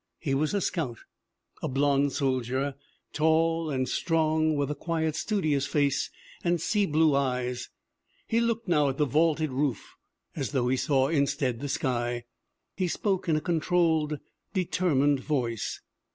He was a scout, a blonde soldier, tall and strong, with a quiet, studious face and sea blue eyes. He looked now at the vaulted roof as though he saw instead the sky. He spoke in a controlled, determined voice.